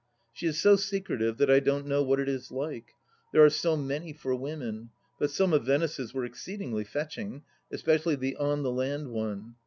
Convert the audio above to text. She is so secretive that I don't know what it is like ; there are so many for women ; but some of Venice's were exceedingly fetching, especially the " On The Land " one.